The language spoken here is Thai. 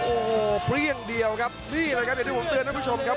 โอ้โหเปรี้ยงเดียวครับนี่แหละครับอย่างที่ผมเตือนท่านผู้ชมครับ